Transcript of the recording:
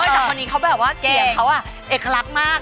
แต่คนนี้เขาแบบว่าเกียรติเขาเอกลักษณ์มาก